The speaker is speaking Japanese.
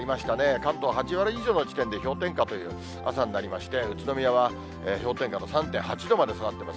関東８割以上の地点で氷点下という朝になりまして、宇都宮は氷点下の３．８度まで下がってます。